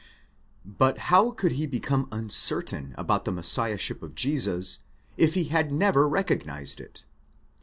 But how could he become uncertain about the Messiahship of Jesus, if he had never recognised it?